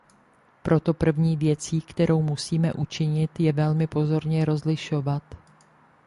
Proto první věcí, kterou musíme učinit, je velmi pozorně rozlišovat.